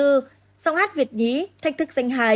giọng hát việt nhí thanh thức danh hài